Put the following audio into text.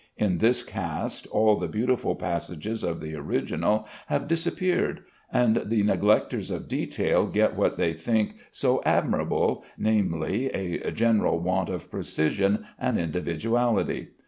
In this cast all the beautiful passages of the original have disappeared, and the neglecters of detail get what they think so desirable, namely, a general want of precision and individuality.